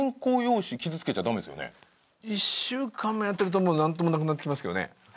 １週間もやってるともうなんともなくなってきますけどね。